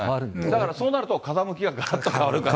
だからそうなると風向きががらっと変わる。